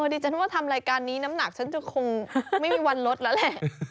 ดิฉันว่าทำรายการนี้น้ำหนักฉันจะคงไม่มีวันลดแล้วแหละ